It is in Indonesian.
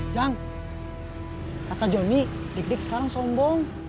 jang kata jonny dik dik sekarang sombong